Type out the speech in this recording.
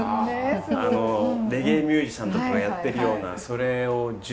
レゲエミュージシャンとかがやってるようなそれを１１年間ですかね。